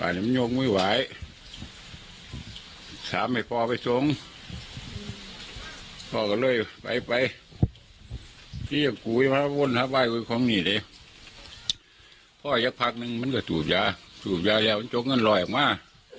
นี่เลยพ่อหยักษ์พักนึงมันก็สูบยาสูบยาแหล่วมันโจ๊กนั่นรอยออกมา